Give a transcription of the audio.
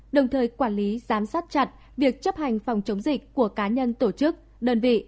đồng thời quản lý giám sát chặt việc chấp hành phòng chống dịch của cá nhân tổ chức đơn vị